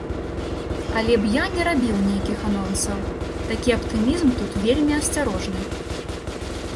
Але б я не рабіў нейкіх анонсаў, такі аптымізм тут вельмі асцярожны.